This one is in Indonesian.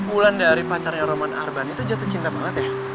wulan dari pacarnya roman arban itu jatuh cinta banget ya